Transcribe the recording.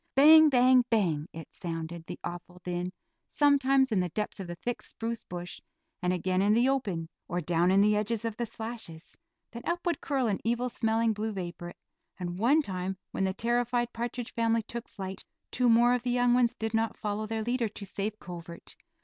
"Bang, bang, bang," it sounded, the awful din, sometimes in the depths of the thick spruce bush, and again in the open, or down in the edge of the slashes; then up would curl an evil smelling blue vapor, and one time when the terrified partridge family took flight two more of the young ones did not follow their leader to safe covert.